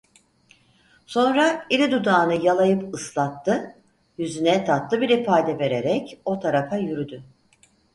Sonra iri dudağını yalayıp ıslattı, yüzüne tatlı bir ifade vererek o tarafa yürüdü…